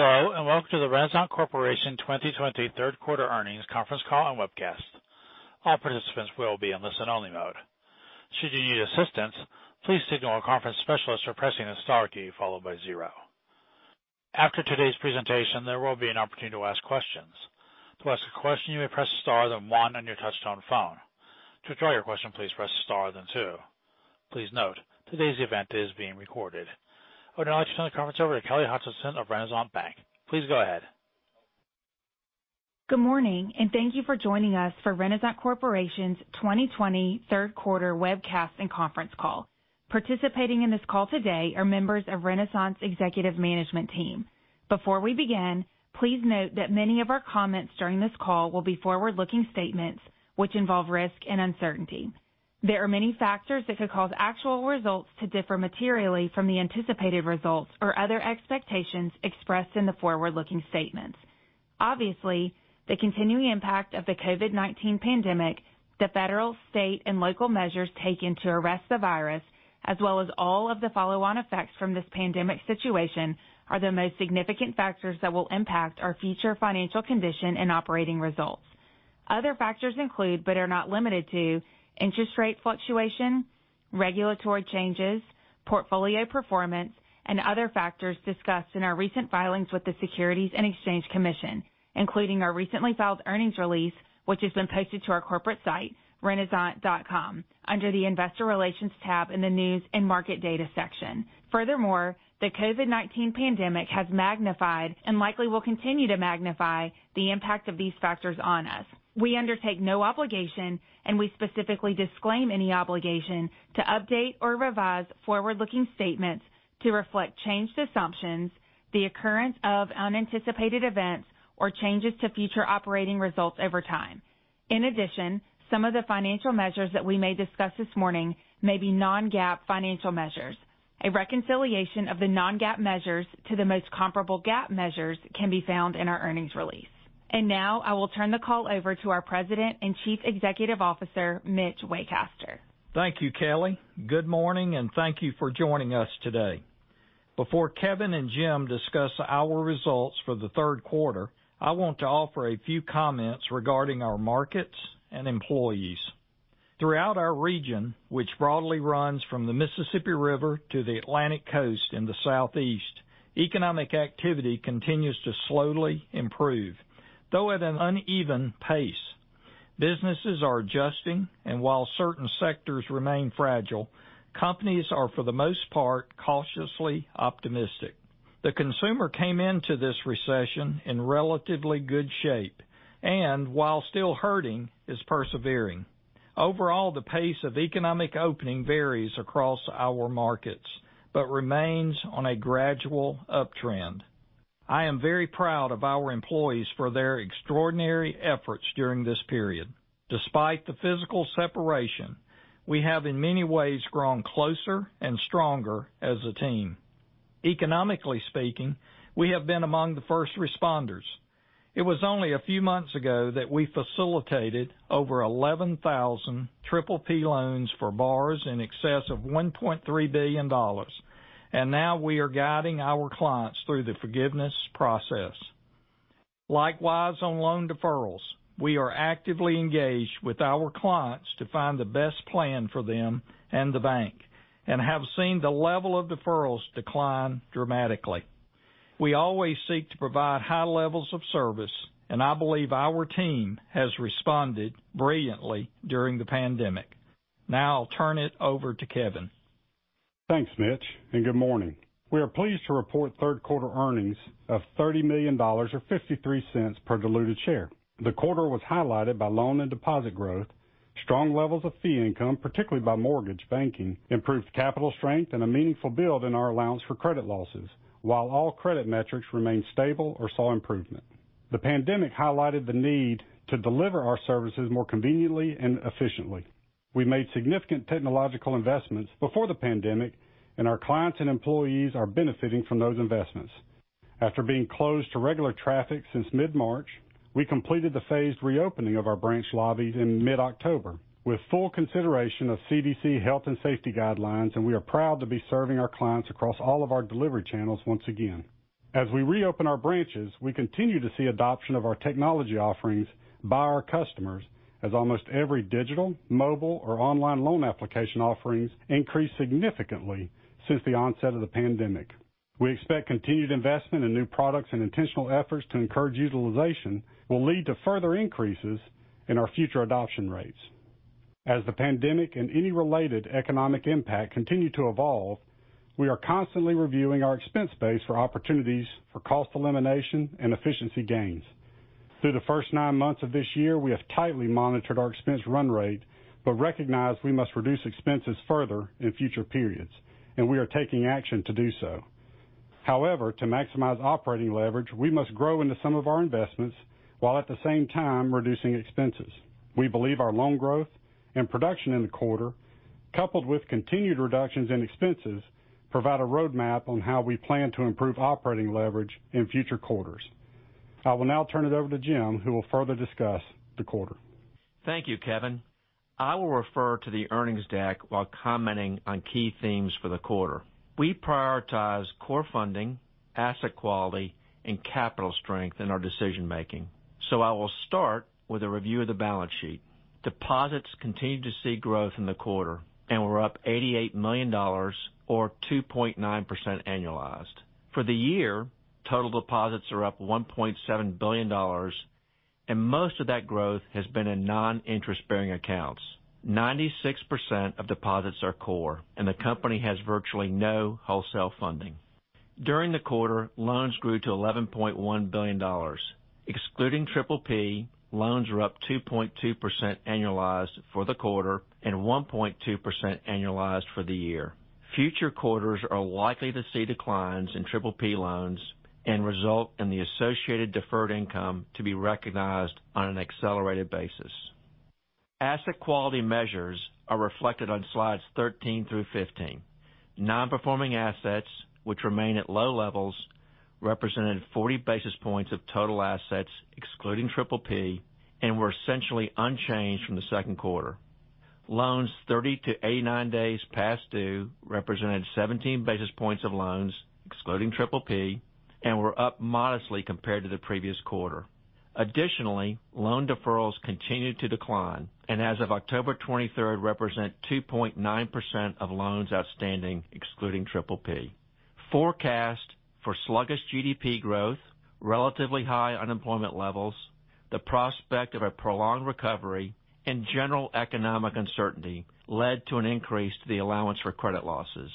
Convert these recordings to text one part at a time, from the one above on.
Hello, and welcome to the Renasant Corporation 2020 third quarter earnings conference call and webcast. All participants will be in listen only mode. Should you need assistance, please signal a conference specialist by pressing the star key followed by zero. After today's presentation, there will be an opportunity to ask questions. To ask a question, you may press star, then one on your touchtone phone. To withdraw your question, please press star, then two. Please note today's event is being recorded. I would now like to turn the conference over to Kelly Hutcheson of Renasant Bank. Please go ahead. Good morning, and thank you for joining us for Renasant Corporation's 2020 third quarter webcast and conference call. Participating in this call today are members of Renasant's executive management team. Before we begin, please note that many of our comments during this call will be forward-looking statements which involve risk and uncertainty. There are many factors that could cause actual results to differ materially from the anticipated results or other expectations expressed in the forward-looking statements. Obviously, the continuing impact of the COVID-19 pandemic, the federal, state, and local measures taken to arrest the virus, as well as all of the follow-on effects from this pandemic situation, are the most significant factors that will impact our future financial condition and operating results. Other factors include, but are not limited to, interest rate fluctuation, regulatory changes, portfolio performance, and other factors discussed in our recent filings with the Securities and Exchange Commission, including our recently filed earnings release, which has been posted to our corporate site, renasant.com, under the investor relations tab in the news and market data section. Furthermore, the COVID-19 pandemic has magnified and likely will continue to magnify the impact of these factors on us. We undertake no obligation, and we specifically disclaim any obligation to update or revise forward-looking statements to reflect changed assumptions, the occurrence of unanticipated events, or changes to future operating results over time. In addition, some of the financial measures that we may discuss this morning may be non-GAAP financial measures. A reconciliation of the non-GAAP measures to the most comparable GAAP measures can be found in our earnings release. Now I will turn the call over to our President and Chief Executive Officer, Mitch Waycaster. Thank you, Kelly. Good morning, and thank you for joining us today. Before Kevin and Jim discuss our results for the third quarter, I want to offer a few comments regarding our markets and employees. Throughout our region, which broadly runs from the Mississippi River to the Atlantic Coast in the Southeast, economic activity continues to slowly improve, though at an uneven pace. Businesses are adjusting, and while certain sectors remain fragile, companies are for the most part cautiously optimistic. The consumer came into this recession in relatively good shape and, while still hurting, is persevering. Overall, the pace of economic opening varies across our markets but remains on a gradual uptrend. I am very proud of our employees for their extraordinary efforts during this period. Despite the physical separation, we have in many ways grown closer and stronger as a team. Economically speaking, we have been among the first responders. It was only a few months ago that we facilitated over 11,000 PPP loans for borrowers in excess of $1.3 billion, and now we are guiding our clients through the forgiveness process. Likewise, on loan deferrals, we are actively engaged with our clients to find the best plan for them and the bank and have seen the level of deferrals decline dramatically. We always seek to provide high levels of service, and I believe our team has responded brilliantly during the pandemic. Now I'll turn it over to Kevin. Thanks, Mitch. Good morning. We are pleased to report third quarter earnings of $30 million or $.53 per diluted share. The quarter was highlighted by loan and deposit growth, strong levels of fee income, particularly by mortgage banking, improved capital strength, and a meaningful build in our allowance for credit losses, while all credit metrics remained stable or saw improvement. The pandemic highlighted the need to deliver our services more conveniently and efficiently. We made significant technological investments before the pandemic, and our clients and employees are benefiting from those investments. After being closed to regular traffic since mid-March, we completed the phased reopening of our branch lobbies in mid-October with full consideration of CDC health and safety guidelines, and we are proud to be serving our clients across all of our delivery channels once again. As we reopen our branches, we continue to see adoption of our technology offerings by our customers, as almost every digital, mobile, or online loan application offerings increased significantly since the onset of the pandemic. We expect continued investment in new products and intentional efforts to encourage utilization will lead to further increases in our future adoption rates. As the pandemic and any related economic impact continue to evolve, we are constantly reviewing our expense base for opportunities for cost elimination and efficiency gains. Through the first nine months of this year, we have tightly monitored our expense run rate but recognize we must reduce expenses further in future periods. We are taking action to do so. However, to maximize operating leverage, we must grow into some of our investments while at the same time reducing expenses. We believe our loan growth and production in the quarter, coupled with continued reductions in expenses, provide a roadmap on how we plan to improve operating leverage in future quarters. I will now turn it over to Jim, who will further discuss the quarter. Thank you, Kevin. I will refer to the earnings deck while commenting on key themes for the quarter. We prioritize core funding, asset quality, and capital strength in our decision-making. I will start with a review of the balance sheet. Deposits continued to see growth in the quarter and were up $88 million, or 2.9% annualized. For the year, total deposits are up $1.7 billion, and most of that growth has been in non-interest-bearing accounts. 96% of deposits are core, and the company has virtually no wholesale funding. During the quarter, loans grew to $11.1 billion. Excluding PPP, loans were up 2.2% annualized for the quarter and 1.2% annualized for the year. Future quarters are likely to see declines in PPP loans and result in the associated deferred income to be recognized on an accelerated basis. Asset quality measures are reflected on slides 13 through 15. Non-performing assets, which remain at low levels, represented 40 basis points of total assets, excluding PPP, and were essentially unchanged from the second quarter. Loans 30 to 89 days past due represented 17 basis points of loans, excluding PPP, and were up modestly compared to the previous quarter. Additionally, loan deferrals continued to decline, and as of October 23rd, represent 2.9% of loans outstanding, excluding PPP. Forecast for sluggish GDP growth, relatively high unemployment levels, the prospect of a prolonged recovery, and general economic uncertainty led to an increase to the allowance for credit losses.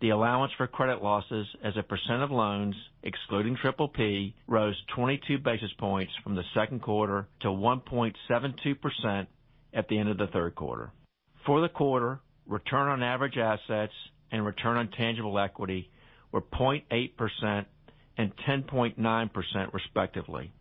The allowance for credit losses as a percent of loans, excluding PPP, rose 22 basis points from the second quarter to 1.72% at the end of the third quarter. For the quarter, return on average assets and return on tangible equity were 0.8% and 10.9% respectively.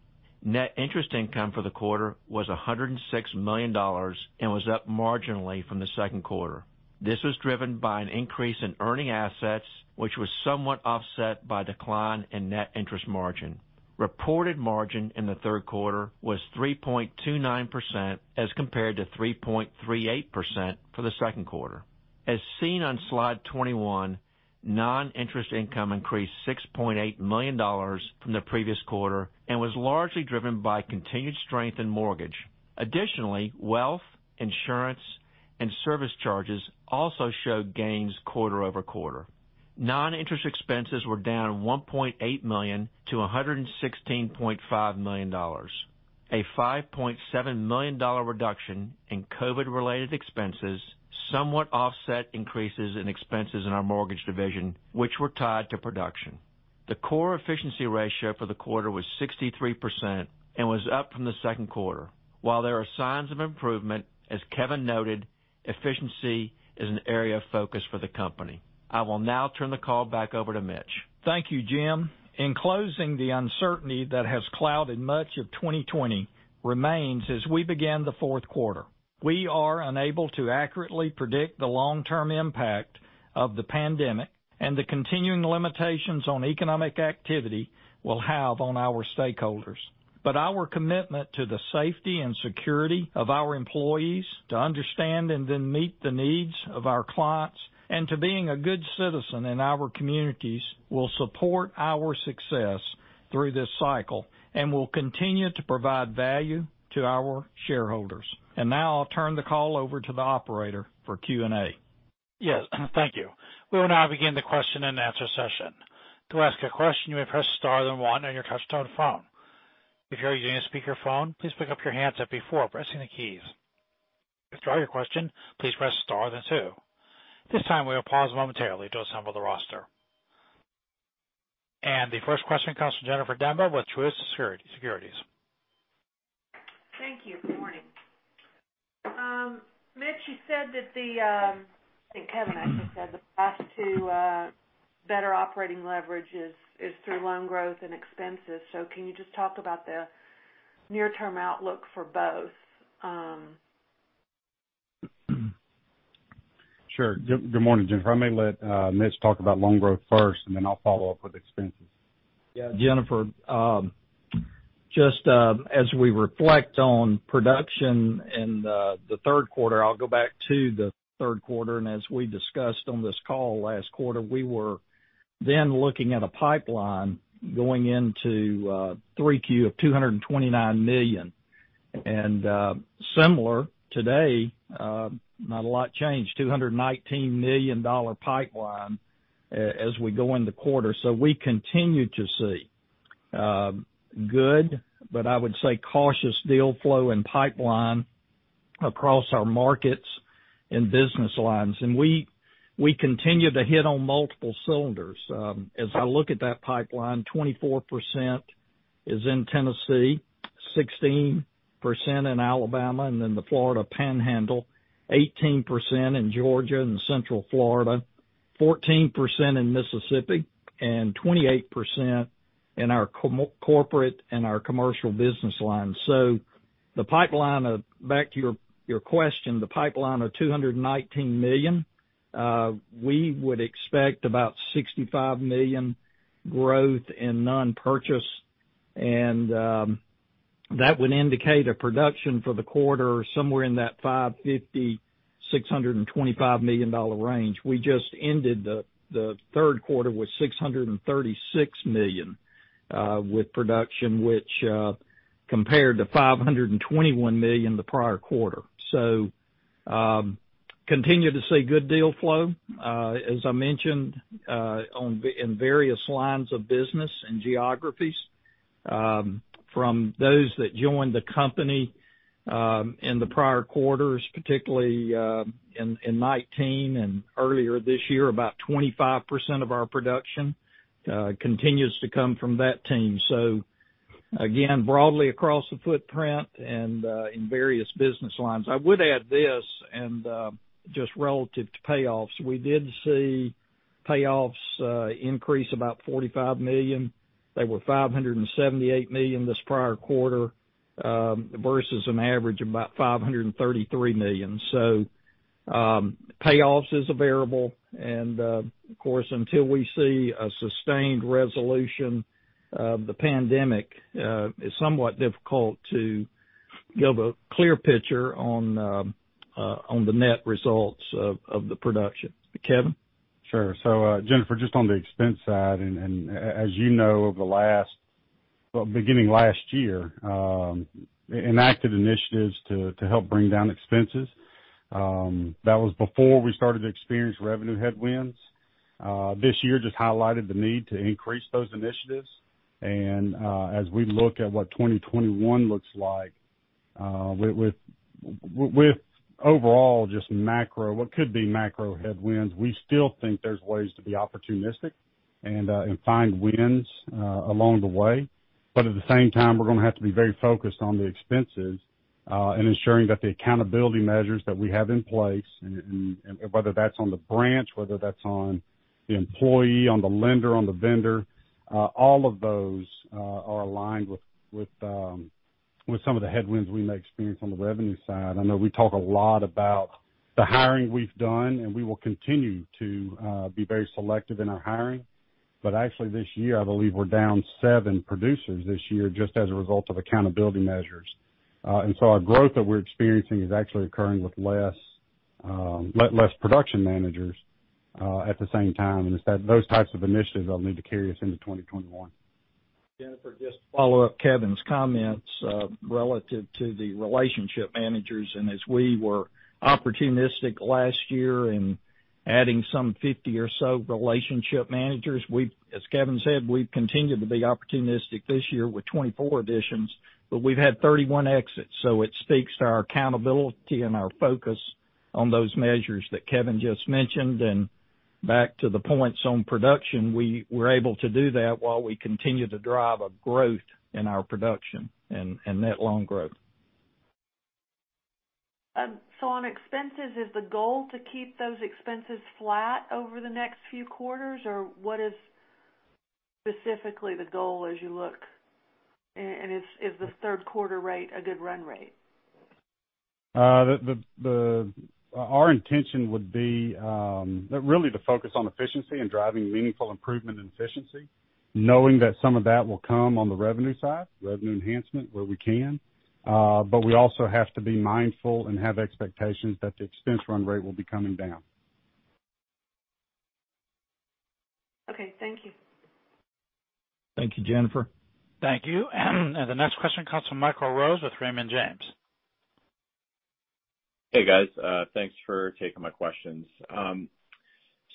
Net interest income for the quarter was $106 million and was up marginally from the second quarter. This was driven by an increase in earning assets, which was somewhat offset by decline in net interest margin. Reported margin in the third quarter was 3.29% as compared to 3.38% for the second quarter. As seen on slide 21, non-interest income increased $6.8 million from the previous quarter and was largely driven by continued strength in mortgage. Additionally, wealth, insurance, and service charges also showed gains quarter-over-quarter. Non-interest expenses were down $1.8 million to $116.5 million. A $5.7 million reduction in COVID related expenses somewhat offset increases in expenses in our mortgage division, which were tied to production. The core efficiency ratio for the quarter was 63% and was up from the second quarter. While there are signs of improvement, as Kevin noted, efficiency is an area of focus for the company. I will now turn the call back over to Mitch. Thank you, Jim. In closing, the uncertainty that has clouded much of 2020 remains as we begin the fourth quarter. We are unable to accurately predict the long-term impact of the pandemic and the continuing limitations on economic activity will have on our stakeholders. Our commitment to the safety and security of our employees, to understand and then meet the needs of our clients, and to being a good citizen in our communities will support our success through this cycle and will continue to provide value to our shareholders. Now I'll turn the call over to the operator for Q&A. Yes, thank you. We will now begin the question and answer session. To ask a question, you may press star then one on your touchtone phone. If you are using a speakerphone, please pick up your handset before pressing the keys. To withdraw your question, please press star then two. This time, we will pause momentarily to assemble the roster. The first question comes from Jennifer Demba with Truist Securities. Thank you. Good morning. Mitch, I think Kevin actually said the path to better operating leverage is through loan growth and expenses. Can you just talk about the near-term outlook for both? Sure. Good morning, Jennifer. I may let Mitch talk about loan growth first, and then I'll follow up with expenses. Jennifer, just as we reflect on production in the third quarter, I'll go back to the third quarter, and as we discussed on this call last quarter, we were then looking at a pipeline going into 3Q of $229 million. Similar today, not a lot changed, $219 million pipeline as we go in the quarter. We continue to see good, but I would say cautious deal flow and pipeline across our markets and business lines. We continue to hit on multiple cylinders. As I look at that pipeline, 24% is in Tennessee, 16% in Alabama, and then the Florida Panhandle, 18% in Georgia and Central Florida, 14% in Mississippi, and 28% in our corporate and our commercial business lines. Back to your question, the pipeline of $219 million We would expect about $65 million growth in non-purchase, and that would indicate a production for the quarter somewhere in that $550 million-$625 million range. We just ended the third quarter with $636 million with production, which compared to $521 million the prior quarter. Continue to see good deal flow, as I mentioned, in various lines of business and geographies. From those that joined the company in the prior quarters, particularly in 2019 and earlier this year, about 25% of our production continues to come from that team. Again, broadly across the footprint and in various business lines. I would add this, and just relative to payoffs, we did see payoffs increase about $45 million. They were $578 million this prior quarter versus an average of about $533 million. Payoffs is a variable, and of course, until we see a sustained resolution of the pandemic, it's somewhat difficult to give a clear picture on the net results of the production. Kevin? Sure. Jennifer, just on the expense side, and as you know, beginning last year, enacted initiatives to help bring down expenses. That was before we started to experience revenue headwinds. This year just highlighted the need to increase those initiatives. As we look at what 2021 looks like with overall just macro, what could be macro headwinds, we still think there's ways to be opportunistic and find wins along the way. At the same time, we're going to have to be very focused on the expenses and ensuring that the accountability measures that we have in place, whether that's on the branch, whether that's on the employee, on the lender, on the vendor, all of those are aligned with some of the headwinds we may experience on the revenue side. I know we talk a lot about the hiring we've done, and we will continue to be very selective in our hiring. Actually this year, I believe we're down seven producers this year just as a result of accountability measures. Our growth that we're experiencing is actually occurring with less production managers at the same time, and it's those types of initiatives that'll need to carry us into 2021. Jennifer, just to follow up Kevin's comments relative to the relationship managers, and as we were opportunistic last year in adding some 50 or so relationship managers, as Kevin said, we've continued to be opportunistic this year with 24 additions, but we've had 31 exits. It speaks to our accountability and our focus on those measures that Kevin just mentioned. Back to the points on production, we were able to do that while we continue to drive a growth in our production and net loan growth. On expenses, is the goal to keep those expenses flat over the next few quarters? What is specifically the goal as you look, and is the third quarter rate a good run rate? Our intention would be really to focus on efficiency and driving meaningful improvement in efficiency, knowing that some of that will come on the revenue side, revenue enhancement where we can. We also have to be mindful and have expectations that the expense run rate will be coming down. Okay. Thank you. Thank you, Jennifer. Thank you. The next question comes from Michael Rose with Raymond James. Hey, guys. Thanks for taking my questions. I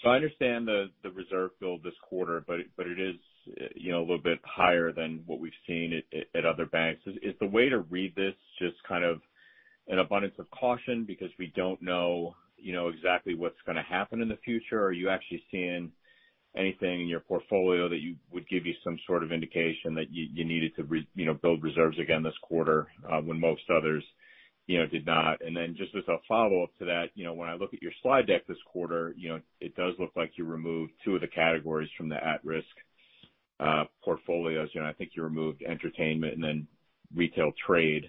understand the reserve build this quarter, but it is a little bit higher than what we've seen at other banks. Is the way to read this just kind of an abundance of caution because we don't know exactly what's going to happen in the future? Are you actually seeing anything in your portfolio that would give you some sort of indication that you needed to build reserves again this quarter when most others did not? Then just as a follow-up to that, when I look at your slide deck this quarter, it does look like you removed two of the categories from the at-risk portfolios. I think you removed entertainment and then retail trade.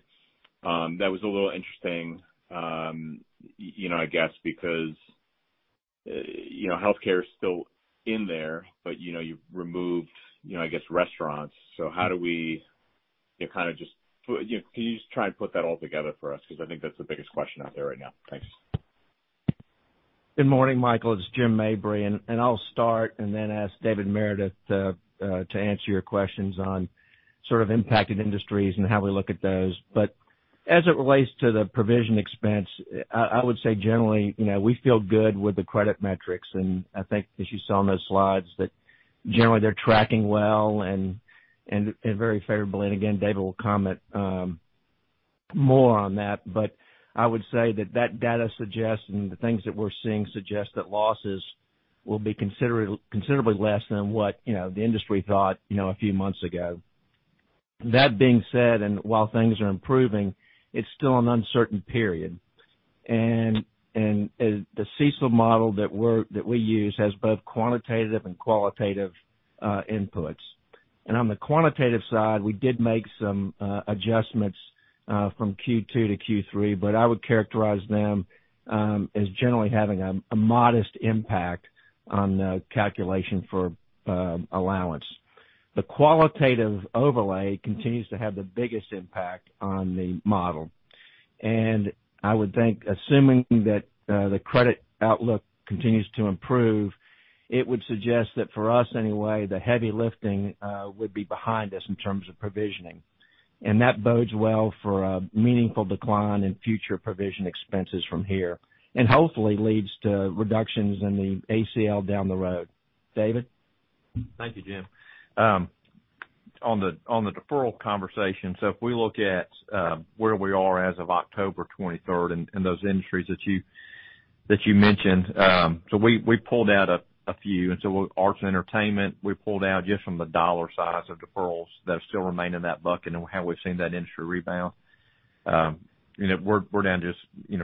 That was a little interesting, I guess, because healthcare is still in there, but you've removed, I guess, restaurants. Can you just try and put that all together for us? I think that's the biggest question out there right now. Thanks. Good morning, Michael. It's Jim Mabry, and I'll start and then ask David Meredith to answer your questions on sort of impacted industries and how we look at those. As it relates to the provision expense, I would say generally, we feel good with the credit metrics, and I think as you saw on those slides, that generally they're tracking well and very favorably. Again, David will comment more on that. I would say that that data suggests and the things that we're seeing suggest that losses will be considerably less than what the industry thought a few months ago. That being said, and while things are improving, it's still an uncertain period. The CECL model that we use has both quantitative and qualitative inputs. On the quantitative side, we did make some adjustments from Q2 to Q3, but I would characterize them as generally having a modest impact on the calculation for allowance. The qualitative overlay continues to have the biggest impact on the model, and I would think, assuming that the credit outlook continues to improve, it would suggest that for us anyway, the heavy lifting would be behind us in terms of provisioning. That bodes well for a meaningful decline in future provision expenses from here, and hopefully leads to reductions in the ACL down the road. David? Thank you, Jim. On the deferral conversation, if we look at where we are as of October 23rd in those industries that you mentioned. We pulled out a few, arts and entertainment, we pulled out just from the dollar size of deferrals that still remain in that bucket and how we've seen that industry rebound. We're down just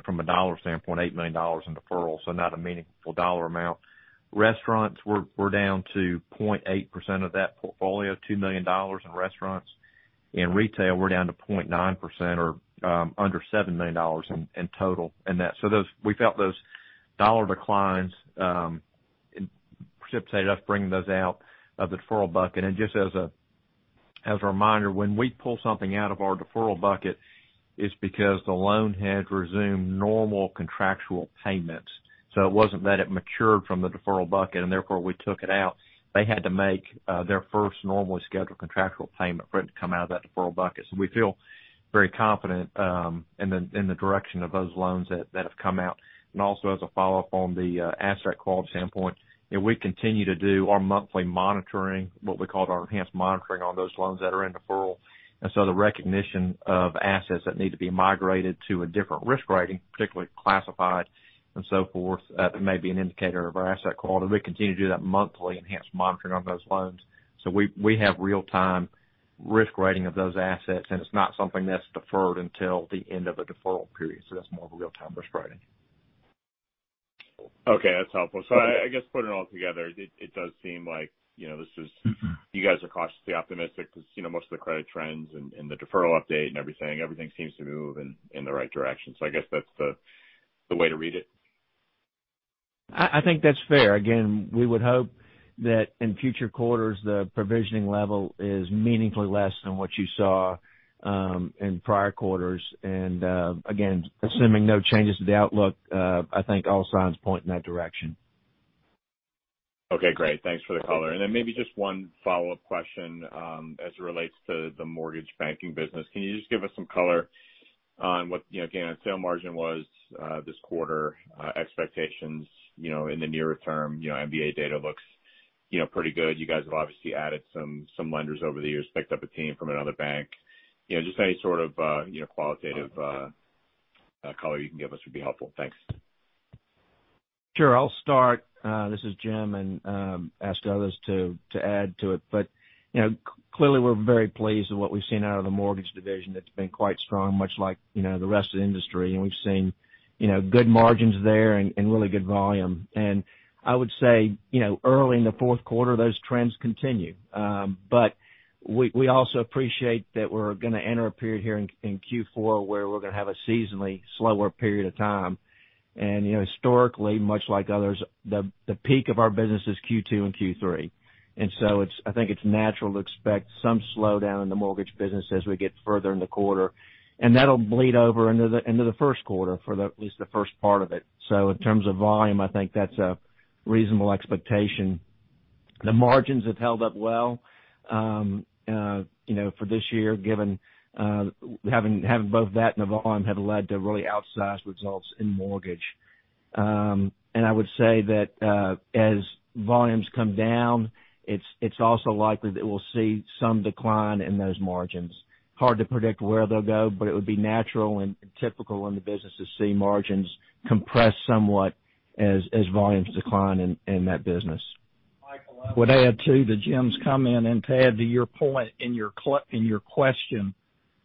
from a dollar standpoint, $8 million in deferral, not a meaningful dollar amount. Restaurants, we're down to 0.8% of that portfolio, $2 million in restaurants. In retail, we're down to 0.9% or under $7 million in total in that. We felt those dollar declines precipitated us bringing those out of the deferral bucket. Just as a reminder, when we pull something out of our deferral bucket, it's because the loan had resumed normal contractual payments. It wasn't that it matured from the deferral bucket and therefore we took it out. They had to make their first normally scheduled contractual payment for it to come out of that deferral bucket. As a follow-up on the asset quality standpoint, we continue to do our monthly monitoring, what we call our enhanced monitoring on those loans that are in deferral. The recognition of assets that need to be migrated to a different risk rating, particularly classified and so forth, may be an indicator of our asset quality. We continue to do that monthly enhanced monitoring on those loans. We have real-time risk rating of those assets, and it's not something that's deferred until the end of a deferral period. That's more of a real-time risk rating. Okay, that's helpful. I guess putting it all together, it does seem like you guys are cautiously optimistic because most of the credit trends and the deferral update and everything seems to move in the right direction. I guess that's the way to read it. I think that's fair. Again, we would hope that in future quarters, the provisioning level is meaningfully less than what you saw in prior quarters. Again, assuming no changes to the outlook, I think all signs point in that direction. Okay, great. Thanks for the color. Then maybe just one follow-up question as it relates to the mortgage banking business. Can you just give us some color on what gain on sale margin was this quarter, expectations in the nearer term? MBA data looks pretty good. You guys have obviously added some lenders over the years, picked up a team from another bank. Just any sort of qualitative color you can give us would be helpful. Thanks. Sure. I'll start, this is Jim, and ask others to add to it. Clearly, we're very pleased with what we've seen out of the mortgage division. That's been quite strong, much like the rest of the industry. We've seen good margins there and really good volume. I would say early in the fourth quarter, those trends continue. We also appreciate that we're going to enter a period here in Q4 where we're going to have a seasonally slower period of time. Historically, much like others, the peak of our business is Q2 and Q3. I think it's natural to expect some slowdown in the mortgage business as we get further in the quarter. That'll bleed over into the first quarter for at least the first part of it. In terms of volume, I think that's a reasonable expectation. The margins have held up well for this year. Having both that and the volume have led to really outsized results in mortgage. I would say that as volumes come down, it's also likely that we'll see some decline in those margins. Hard to predict where they'll go, but it would be natural and typical in the business to see margins compress somewhat as volumes decline in that business. Michael, I would add too to Jim's comment and to add to your point and your question,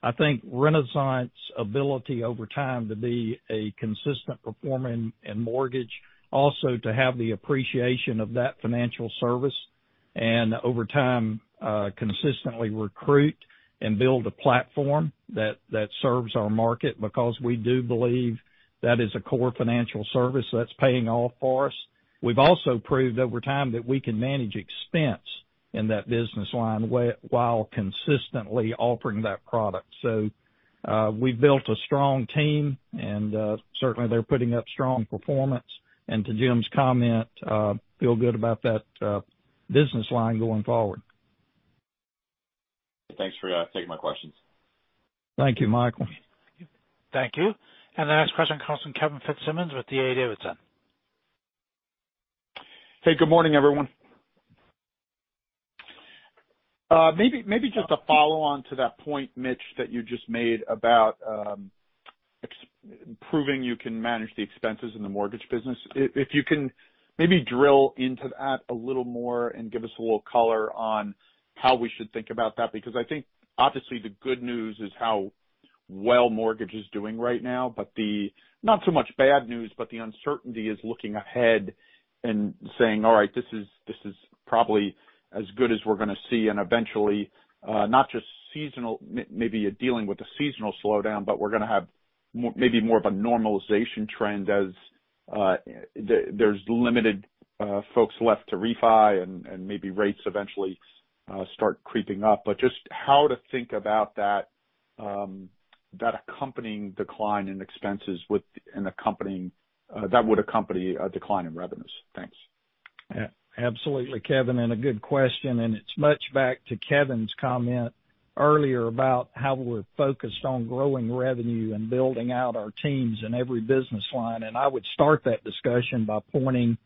I think Renasant's ability over time to be a consistent performer in mortgage, also to have the appreciation of that financial service, and over time consistently recruit and build a platform that serves our market because we do believe that is a core financial service that's paying off for us. We've also proved over time that we can manage expense in that business line while consistently offering that product. We've built a strong team, and certainly they're putting up strong performance, and to Jim's comment, feel good about that business line going forward. Thanks for taking my questions. Thank you, Michael. Thank you. The next question comes from Kevin Fitzsimmons with D.A. Davidson. Hey, good morning, everyone. Maybe just a follow-on to that point, Mitch, that you just made about proving you can manage the expenses in the mortgage business. If you can maybe drill into that a little more and give us a little color on how we should think about that, because I think obviously the good news is how well mortgage is doing right now, but not so much bad news, but the uncertainty is looking ahead and saying, all right, this is probably as good as we're going to see, and eventually, not just seasonal, maybe you're dealing with a seasonal slowdown, but we're going to have maybe more of a normalization trend as there's limited folks left to refi and maybe rates eventually start creeping up. Just how to think about that accompanying decline in expenses that would accompany a decline in revenues. Thanks. Yeah, absolutely, Kevin. A good question. It's much back to Kevin's comment earlier about how we're focused on growing revenue and building out our teams in every business line. I would start that discussion by pointing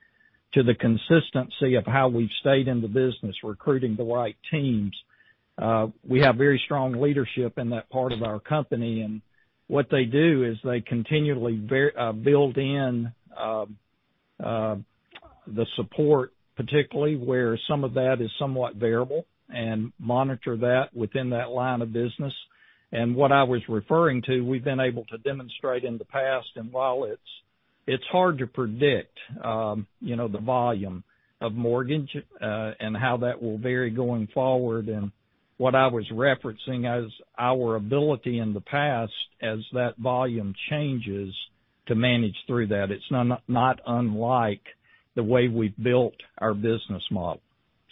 to the consistency of how we've stayed in the business, recruiting the right teams. We have very strong leadership in that part of our company, and what they do is they continually build in the support, particularly where some of that is somewhat variable, and monitor that within that line of business. What I was referring to, we've been able to demonstrate in the past, and while it's hard to predict the volume of mortgage and how that will vary going forward, and what I was referencing as our ability in the past as that volume changes to manage through that. It's not unlike the way we've built our business model.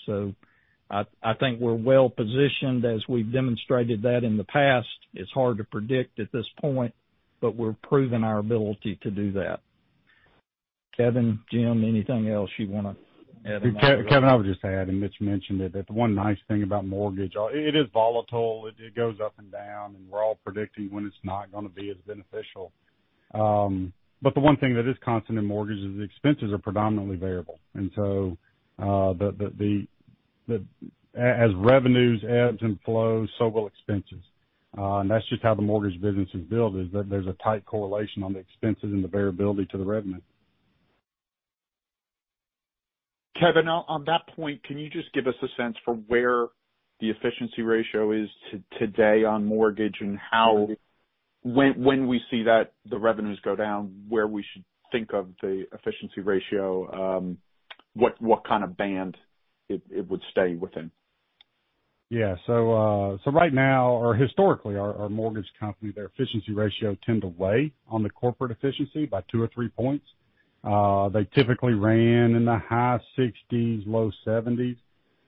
I think we're well positioned as we've demonstrated that in the past. It's hard to predict at this point, but we're proving our ability to do that. Kevin, Jim, anything else you want to add on that? Kevin, I would just add, and Mitch mentioned it, that the one nice thing about mortgage, it is volatile. It goes up and down. We're all predicting when it's not going to be as beneficial. The one thing that is constant in mortgage is expenses are predominantly variable. As revenues ebbs and flows, so will expenses. That's just how the mortgage business is built, is that there's a tight correlation on the expenses and the variability to the revenue. Kevin, on that point, can you just give us a sense for where the efficiency ratio is today on mortgage and how when we see that the revenues go down, where we should think of the efficiency ratio, what kind of band it would stay within? Yeah. Right now or historically, our mortgage company, their efficiency ratio tend to weigh on the corporate efficiency by two or three points. They typically ran in the high 60s, low 70s.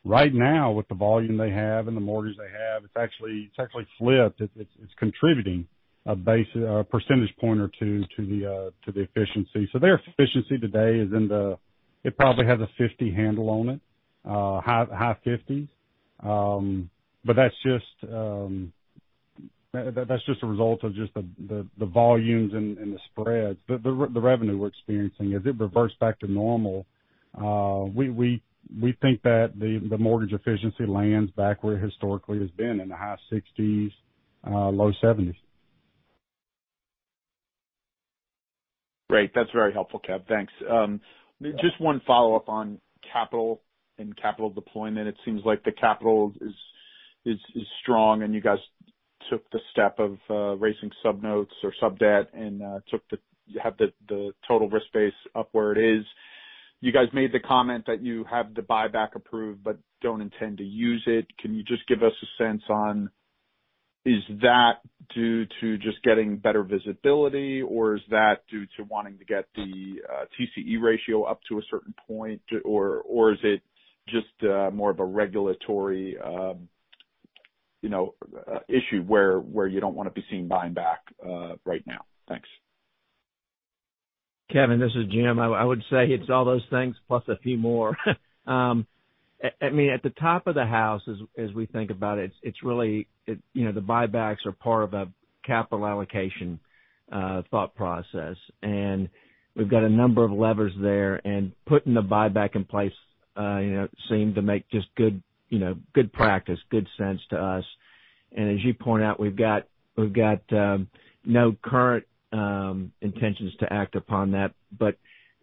Right now, with the volume they have and the mortgage they have, it's actually flipped. It's contributing a base percentage point or two to the efficiency. Their efficiency today probably has a 50 handle on it, high 50s. That's just a result of just the volumes and the spreads. The revenue we're experiencing, as it reverts back to normal, we think that the mortgage efficiency lands back where it historically has been, in the high 60s, low 70s. Great. That's very helpful, Kev. Thanks. Just one follow-up on capital and capital deployment. It seems like the capital is strong, and you guys took the step of raising sub-notes or sub-debt and have the total risk base up where it is. You guys made the comment that you have the buyback approved but don't intend to use it. Can you just give us a sense on, is that due to just getting better visibility, or is that due to wanting to get the TCE ratio up to a certain point, or is it just more of a regulatory issue where you don't want to be seen buying back right now? Thanks. Kevin, this is Jim. I would say it's all those things plus a few more. At the top of the house, as we think about it, the buybacks are part of a capital allocation thought process. We've got a number of levers there, and putting the buyback in place seemed to make just good practice, good sense to us. As you point out, we've got no current intentions to act upon that.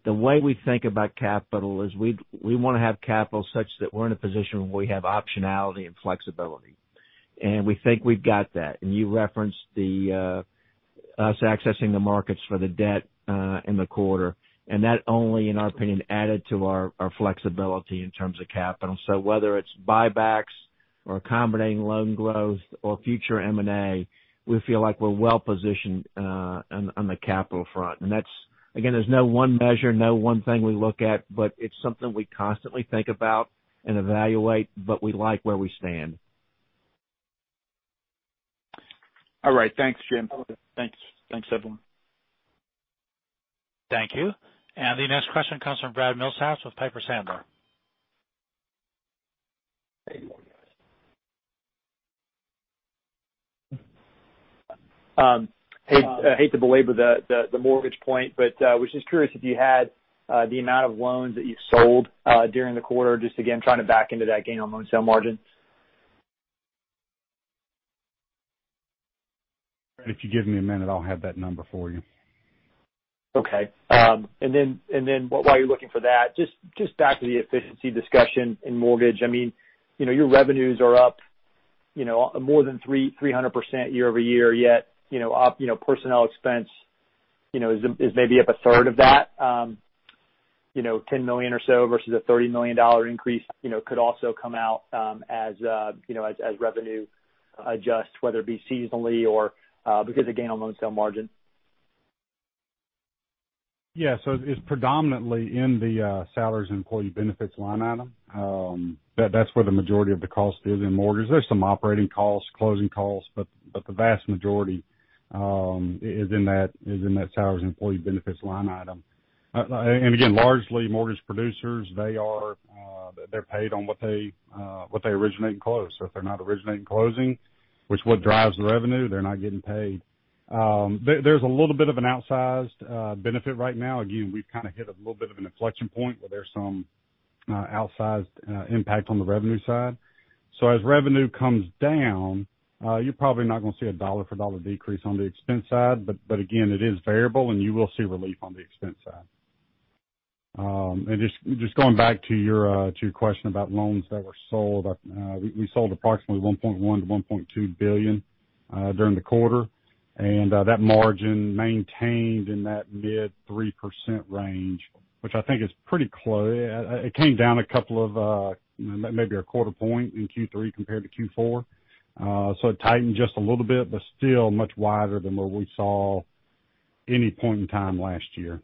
The way we think about capital is we want to have capital such that we're in a position where we have optionality and flexibility. We think we've got that. You referenced us accessing the markets for the debt in the quarter, and that only, in our opinion, added to our flexibility in terms of capital. Whether it's buybacks or accommodating loan growth or future M&A, we feel like we're well positioned on the capital front. Again, there's no one measure, no one thing we look at, but it's something we constantly think about and evaluate, but we like where we stand. All right. Thanks, Jim. Thanks, everyone. Thank you. The next question comes from Brad Milsaps with Piper Sandler. Hey, morning, guys. I hate to belabor the mortgage point, but was just curious if you had the amount of loans that you sold during the quarter, just again, trying to back into that gain on loan sale margin. If you give me a minute, I'll have that number for you. Okay. While you're looking for that, just back to the efficiency discussion in mortgage. Your revenues are up more than 300% year-over-year, yet personnel expense is maybe up a third of that, $10 million or so versus a $30 million increase could also come out as revenue adjusts, whether it be seasonally or because of gain on loan sale margin. Yeah. It's predominantly in the salaries and employee benefits line item. That's where the majority of the cost is in mortgage. There's some operating costs, closing costs, but the vast majority is in that salaries and employee benefits line item. Again, largely mortgage producers, they're paid on what they originate and close. If they're not originating and closing, which is what drives the revenue, they're not getting paid. There's a little bit of an outsized benefit right now. Again, we've kind of hit a little bit of an inflection point where there's some outsized impact on the revenue side. As revenue comes down, you're probably not going to see a dollar for dollar decrease on the expense side. Again, it is variable, and you will see relief on the expense side. Just going back to your question about loans that were sold. We sold approximately $1.1 billion-$1.2 billion during the quarter. That margin maintained in that mid 3% range, which I think is pretty close. It came down a couple of, maybe a quarter point in Q3 compared to Q4. It tightened just a little bit, but still much wider than where we saw any point in time last year.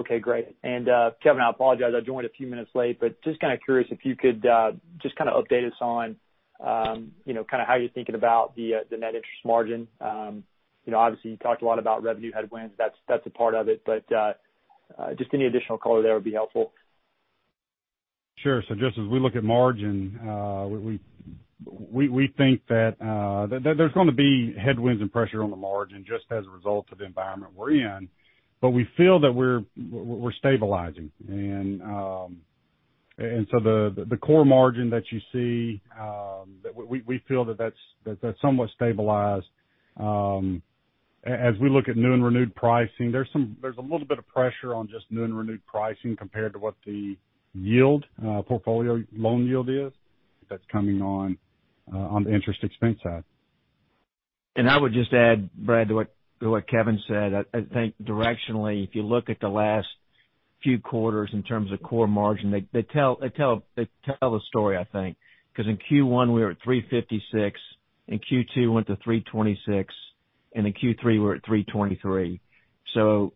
Okay, great. Kevin, I apologize, I joined a few minutes late. Just kind of curious if you could just kind of update us on how you're thinking about the net interest margin. Obviously, you talked a lot about revenue headwinds. That's a part of it, just any additional color there would be helpful. Sure. Just as we look at margin, we think that there's going to be headwinds and pressure on the margin just as a result of the environment we're in. We feel that we're stabilizing. The core margin that you see, we feel that that's somewhat stabilized. As we look at new and renewed pricing, there's a little bit of pressure on just new and renewed pricing compared to what the yield portfolio loan yield is. That's coming on the interest expense side. I would just add, Brad, to what Kevin said. I think directionally, if you look at the last few quarters in terms of core margin, they tell a story, I think, because in Q1 we were at 356, in Q2 we went to 326, and in Q3 we were at 323.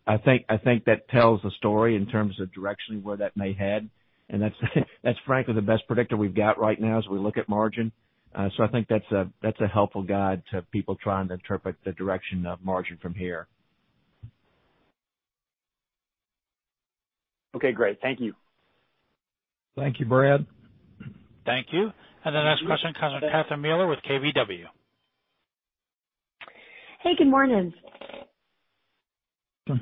I think that tells the story in terms of directionally where that may head, and that's frankly the best predictor we've got right now as we look at margin. I think that's a helpful guide to people trying to interpret the direction of margin from here. Okay, great. Thank you. Thank you, Brad. Thank you. The next question comes from Catherine Mealor with KBW. Hey, good morning. Maybe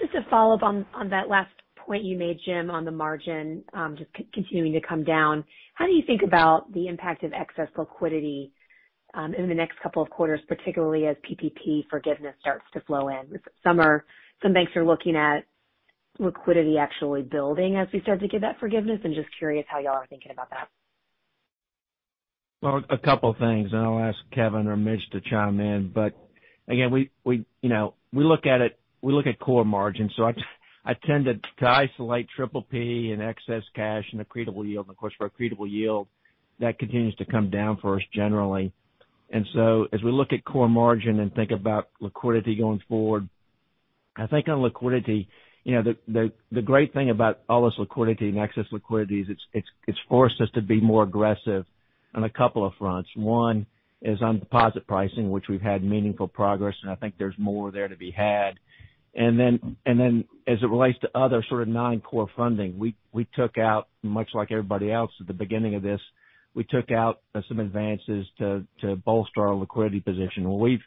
just a follow-up on that last point you made, Jim, on the margin just continuing to come down. How do you think about the impact of excess liquidity in the next couple of quarters, particularly as PPP forgiveness starts to flow in? Some banks are looking at liquidity actually building as we start to give that forgiveness, and just curious how y'all are thinking about that. A couple things, I'll ask Kevin or Mitch to chime in, but again, we look at core margin. I tend to isolate PPP and excess cash and accretable yield. Of course, for accretable yield, that continues to come down for us generally. As we look at core margin and think about liquidity going forward, I think on liquidity, the great thing about all this liquidity and excess liquidity is it's forced us to be more aggressive on a couple of fronts. One is on deposit pricing, which we've had meaningful progress, and I think there's more there to be had. As it relates to other sort of non-core funding, we took out, much like everybody else at the beginning of this, we took out some advances to bolster our liquidity position. Well, we've,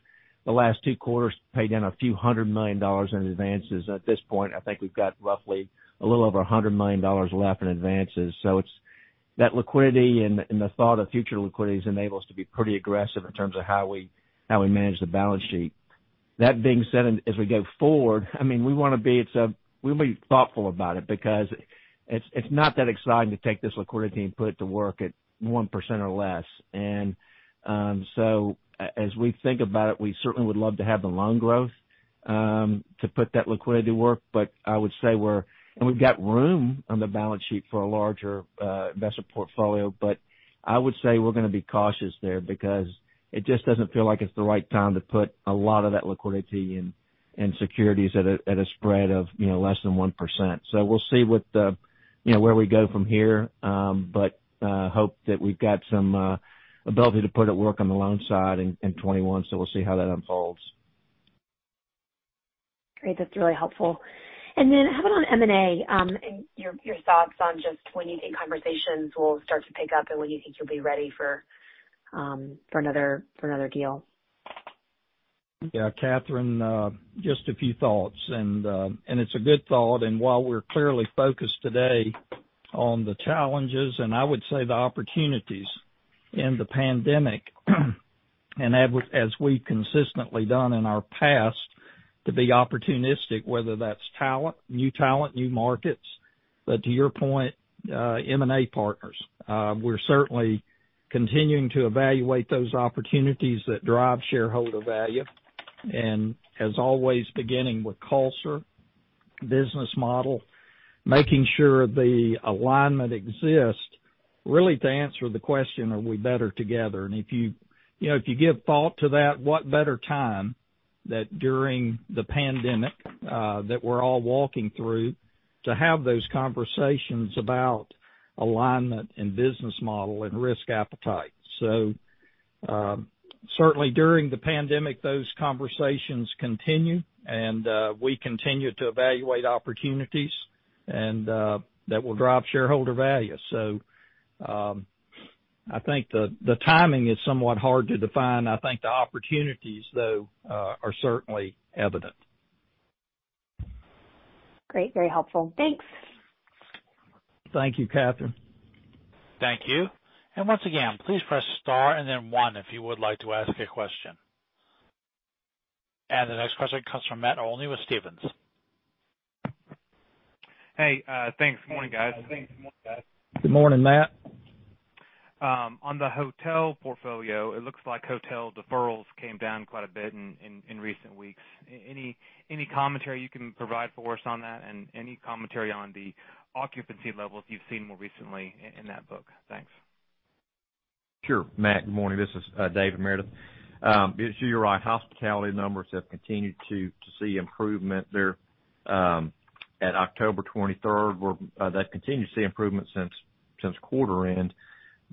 the last two quarters, paid down a few hundred million dollars in advances. At this point, I think we've got roughly a little over $100 million left in advances. That liquidity and the thought of future liquidity has enabled us to be pretty aggressive in terms of how we manage the balance sheet. That being said, as we go forward, we want to be thoughtful about it because it's not that exciting to take this liquidity and put it to work at 1% or less. As we think about it, we certainly would love to have the loan growth to put that liquidity to work. We've got room on the balance sheet for a larger investment portfolio. I would say we're going to be cautious there because it just doesn't feel like it's the right time to put a lot of that liquidity in securities at a spread of less than 1%. We'll see where we go from here, but hope that we've got some ability to put it to work on the loan side in 2021. We'll see how that unfolds. Great. That's really helpful. How about on M&A and your thoughts on just when you think conversations will start to pick up and when you think you'll be ready for another deal? Yeah, Catherine, just a few thoughts, and it's a good thought, and while we're clearly focused today on the challenges, and I would say the opportunities in the pandemic, and as we've consistently done in our past, to be opportunistic, whether that's talent, new talent, new markets. To your point, M&A partners. We're certainly continuing to evaluate those opportunities that drive shareholder value. As always, beginning with culture, business model, making sure the alignment exists, really to answer the question, are we better together? If you give thought to that, what better time that during the pandemic that we're all walking through to have those conversations about alignment and business model and risk appetite. Certainly during the pandemic, those conversations continue and we continue to evaluate opportunities, and that will drive shareholder value. I think the timing is somewhat hard to define. I think the opportunities, though, are certainly evident. Great. Very helpful. Thanks. Thank you, Catherine. Thank you. Once again, please press star and then one if you would like to ask a question. The next question comes from Matt Olney with Stephens. Hey, thanks. Good morning, guys. Good morning, Matt. On the hotel portfolio, it looks like hotel deferrals came down quite a bit in recent weeks. Any commentary you can provide for us on that? Any commentary on the occupancy levels you've seen more recently in that book? Thanks. Sure. Matt, good morning. This is David Meredith. You're right. Hospitality numbers have continued to see improvement there. At October 23rd, that continued to see improvement since quarter end,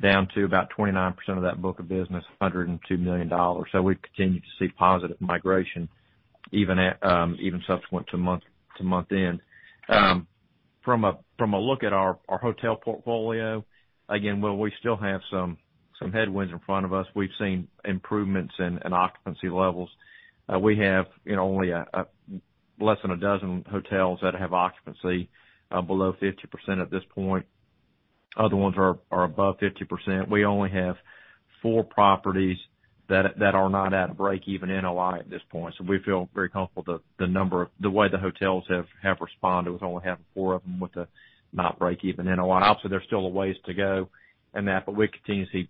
down to about 29% of that book of business, $102 million. We continue to see positive migration even subsequent to month end. From a look at our hotel portfolio, again, while we still have some headwinds in front of us, we've seen improvements in occupancy levels. We have only less than a dozen hotels that have occupancy below 50% at this point. Other ones are above 50%. We only have four properties that are not at a break even NOI at this point. We feel very comfortable the way the hotels have responded with only having four of them with the not break even NOI. Obviously, there's still a ways to go in that, but we continue to see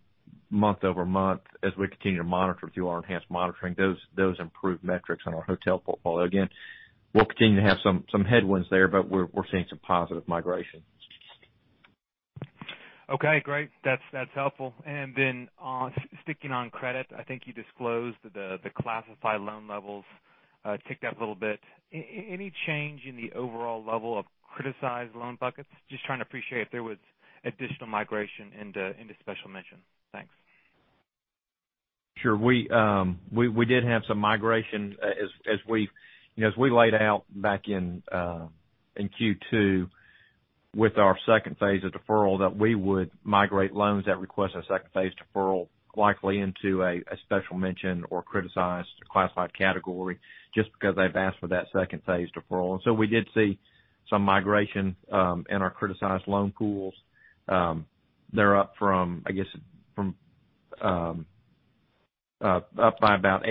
month-over-month as we continue to monitor through our enhanced monitoring, those improved metrics on our hotel portfolio. Again, we'll continue to have some headwinds there, but we're seeing some positive migration. Okay, great. That's helpful. Sticking on credit, I think you disclosed the classified loan levels ticked up a little bit. Any change in the overall level of criticized loan buckets? Just trying to appreciate if there was additional migration into special mention. Thanks. Sure. We did have some migration, as we laid out back in Q2 with our second phase of deferral, that we would migrate loans that request a second phase deferral likely into a special mention or criticized or classified category just because they've asked for that second phase deferral. We did see some migration in our criticized loan pools. They're up by about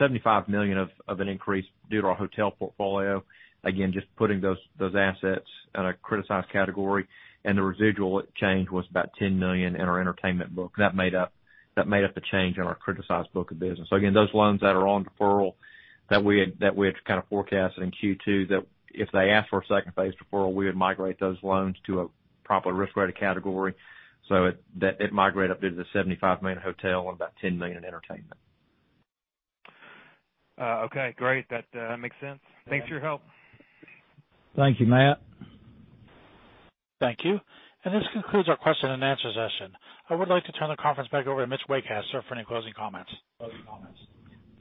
$75 million of an increase due to our hotel portfolio. Again, just putting those assets in a criticized category, and the residual change was about $10 million in our entertainment book. That made up the change in our criticized book of business. Again, those loans that are on deferral that we had kind of forecasted in Q2, that if they ask for a second phase deferral, we would migrate those loans to a proper risk-rated category. It migrated up due to the $75 million hotel and about $10 million in entertainment. Okay, great. That makes sense. Thanks for your help. Thank you, Matt. Thank you. This concludes our question and answer session. I would like to turn the conference back over to Mitch Waycaster, sir, for any closing comments.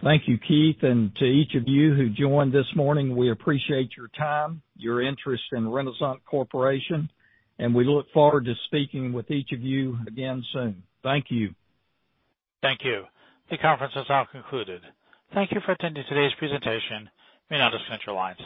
Thank you, Keith. To each of you who joined this morning, we appreciate your time, your interest in Renasant Corporation, and we look forward to speaking with each of you again soon. Thank you. Thank you. The conference has now concluded. Thank you for attending today's presentation. You may now disconnect your lines.